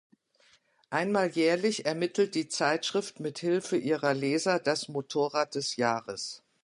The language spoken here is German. Einmal jährlich ermittelt die Zeitschrift mit Hilfe ihrer Leser das „Motorrad des Jahres“.